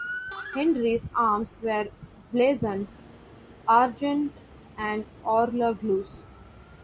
Henry's arms were blazoned "Argent, an Orle Gules".